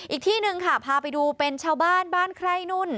อีกที่หนึ่งค่ะพาไปดูเป็นชาวบ้านบ้านใคร่นุ่น